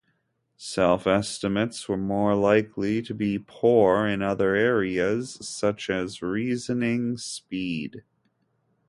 Self-estimates were more likely to be poor in other areas, such as reasoning speed.